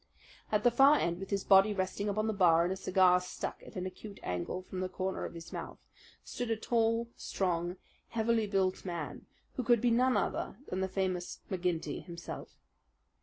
At the far end, with his body resting upon the bar and a cigar stuck at an acute angle from the corner of his mouth, stood a tall, strong, heavily built man who could be none other than the famous McGinty himself.